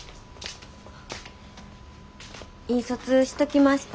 印刷しときました。